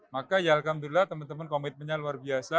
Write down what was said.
maka ya alhamdulillah teman teman komitmennya luar biasa